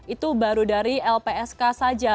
itu baru dari lpsk saja